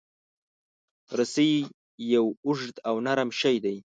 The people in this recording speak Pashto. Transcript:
رسۍ یو اوږد او نرم شی دی.